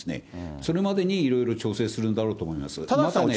それまでにいろいろ調整するんだろうなと思うんですね。